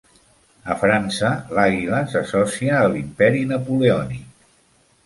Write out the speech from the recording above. A França, l'àguila s'associa a l'imperi napoleònic.